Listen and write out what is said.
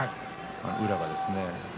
宇良はですね